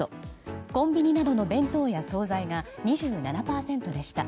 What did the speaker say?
コンビニなどの弁当や総菜が２７％でした。